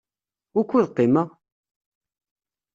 Wukud qimeɣ?